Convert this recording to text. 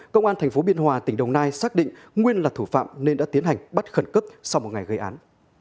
công an tp biên hòa tỉnh đồng nai xác định nguyên là thủ phạm nên đã tiến hành bắt khẩn cấp sau một ngày gây án